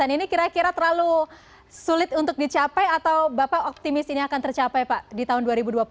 ini kira kira terlalu sulit untuk dicapai atau bapak optimis ini akan tercapai pak di tahun dua ribu dua puluh satu